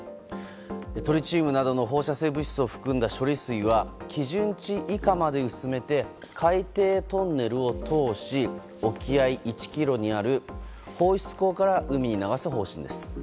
トリチウムなどの放射性物質を含んだ処理水は基準値以下まで薄めて海底トンネルを通し沖合１ｋｍにある放出口から海に流す方針です。